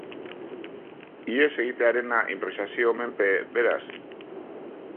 Ihes egitearena inprobisazio menpe, beraz?